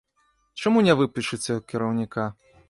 Чаму не выпішыце кіраўніка?